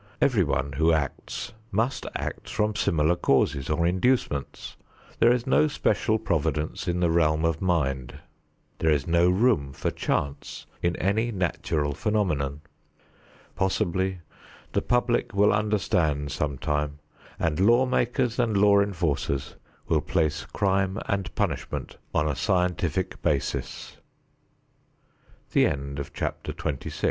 Everyone who acts must act from similar causes or inducements. There is no special providence in the realm of mind. There is no room for chance in any natural phenomenon. Possibly the public will understand sometime, and law makers and law enforcers will place crime and punishment on a scientific basis. XXVII SOCIAL CONTROL Organizati